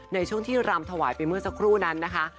ในช่วงที่รำถวายไปเมื่อสักครู่นั้นนะคะ